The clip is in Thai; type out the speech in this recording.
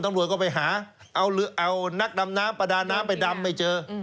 ตำรวจก็ไปหาเอานักดำน้ำประดาน้ำไปดำไปเจอ